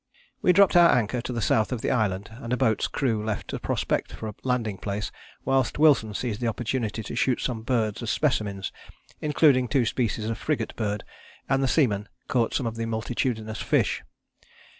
] We dropped our anchor to the south of the island and a boat's crew left to prospect for a landing place, whilst Wilson seized the opportunity to shoot some birds as specimens, including two species of frigate bird, and the seamen caught some of the multitudinous fish.